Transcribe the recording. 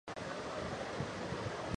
তিনি তাঁর তিন ভাইয়ের মধ্যে সবার ছোট ছিলেন।